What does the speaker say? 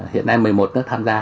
hiện nay một mươi một nước tham gia